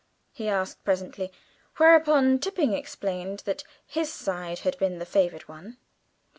he asked presently, whereupon Tipping explained that his side had been the favoured one.